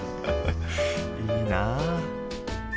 いいなあ。